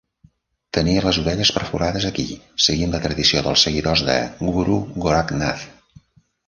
Tenia les orelles perforades aquí, seguint la tradició dels seguidors de Guru Goraknath.